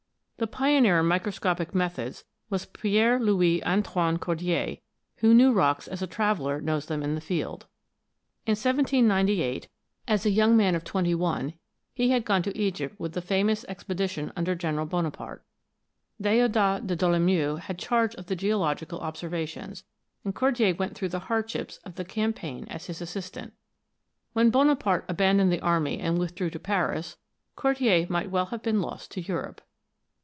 The pioneer in microscopic methods was Pierre Louis Antoine Cordier, who knew rocks as a traveller knows them in the field. In 1798, as a young man 12 4 ROCKS AND THEIR ORIGINS [CH. of twenty one, he had gone to Egypt with the famous expedition under General Bonaparte. De"odat de Dolomieu had charge of the geological observations, and Cordier went through the hardships of the cam paign as his assistant. When Bonaparte abandoned the army and withdrew to Paris, Cordier might well have been lost to Europe.